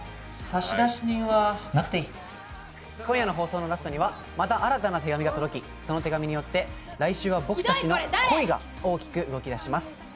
今夜の放送ラストには、また新たな手紙が届き、その手紙によって来週は僕たちの恋が大きく動き出します。